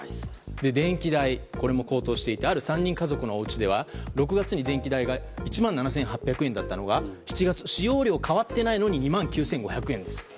電気代これも高騰していてある３人家族のおうちでは６月に電気代が１万７８００円だったのが７月、使用量変わってないのに２万９５００円です。